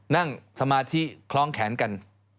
นั่งสมาธิคล้องแขนกัน